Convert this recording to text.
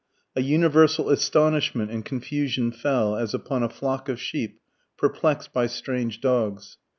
A universal astonishment and confusion fell, as upon a flock of sheep perplexed by strange dogs.